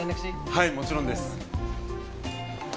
はいもちろんです